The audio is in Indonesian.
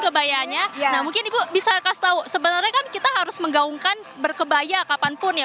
kebayanya nah mungkin ibu bisa kasih tahu sebenarnya kan kita harus menggaungkan berkebaya kapanpun ya